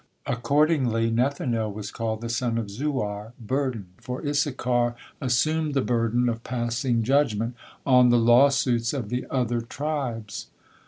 Accordingly Nethanel was called the son of Zuar, "burden," for Issachar assumed the burden of passing judgement on the lawsuits of the other tribes.